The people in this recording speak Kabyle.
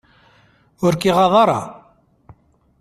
Ur k-iɣaḍ ara?